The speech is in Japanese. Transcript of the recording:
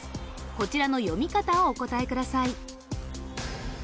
こちらの読み方をお答えください